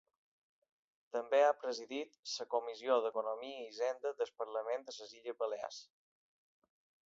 També ha presidit la comissió d'Economia i Hisenda del Parlament de les Illes Balears.